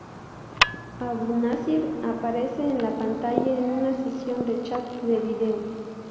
Abu Nazir aparece en la pantalla en una sesión de chat de vídeo.